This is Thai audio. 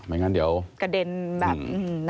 งั้นเดี๋ยวกระเด็นแบบ